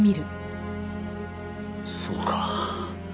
そうか。